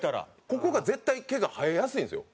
ここが絶対毛が生えやすいんですよ。